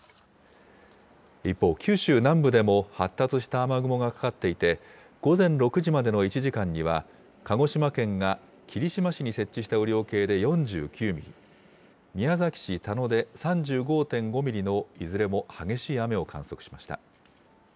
一方、九州南部でも発達した雨雲がかかっていて、午前６時までの１時間には、鹿児島県が霧島市に設置した雨量計で４９ミリ、宮崎市田野で３５．５ミリのいずれも激しい雨を観測しました。